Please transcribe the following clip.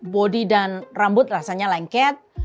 bodi dan rambut rasanya lengket